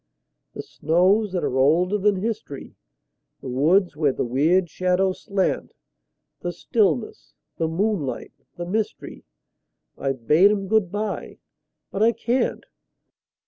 The snows that are older than history, The woods where the weird shadows slant; The stillness, the moonlight, the mystery, I've bade 'em good by but I can't.